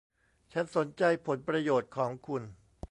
ฉันสนใจผลประโยชน์ของคุณ